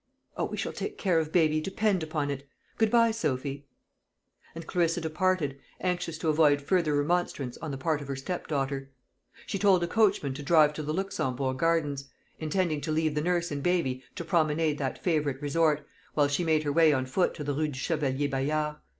"O, we shall take care of baby, depend upon it. Good bye, Sophy." And Clarissa departed, anxious to avoid farther remonstrance on the part of her step daughter. She told the coachman to drive to the Luxembourg Gardens, intending to leave the nurse and baby to promenade that favourite resort, while she made her way on foot to the Rue du Chevalier Bayard.